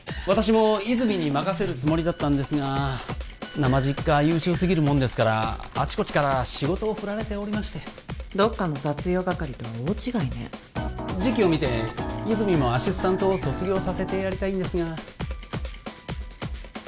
私も和泉に任せるつもりだったんですがなまじっか優秀すぎるもんですからあちこちから仕事を振られておりましてどっかの雑用係とは大違いね時期を見て和泉もアシスタントを卒業させてやりたいんですがいいんじゃない？